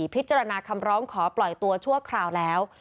พิจารณาคำร้องขอปล่อยตัวชั่วคราวแล้ว